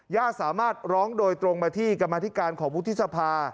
สามารถร้องโดยตรงมาที่กรรมธิการของวุฒิสภา